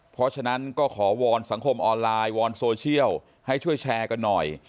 เพราะฉะนั้นก็ขอวอนสังคมออนไลน์วอนโซเชียลให้ช่วยแชร์กันหน่อย